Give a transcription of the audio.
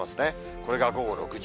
これが午後６時。